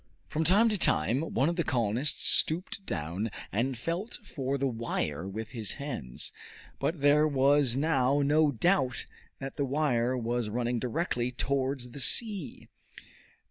From time to time one of the colonists stooped down and felt for the wire with his hands; but there was now no doubt that the wire was running directly towards the sea.